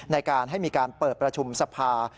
ในการให้มีการเปิดประชุมสภา